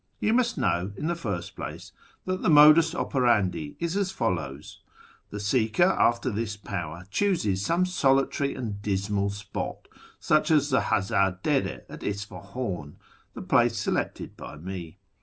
You must know, in the first place, that the modus operandi is as follows :— The seeker after this power chooses some solitary and dismal spot, such as the Hazar Dere at Isfahan (the place selected by me).